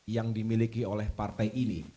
yang dimiliki oleh partai ini